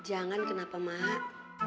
jangan kenapa mak